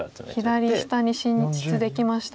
左下に進出できましたが。